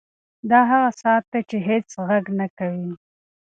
دا هغه ساعت دی چې هېڅ غږ نه کوي.